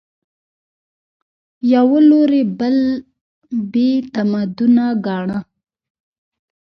یوه لوري بل بې تمدنه ګاڼه